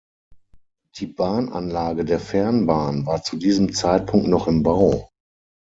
Die Bahnanlage der Fernbahn war zu diesem Zeitpunkt noch im Bau.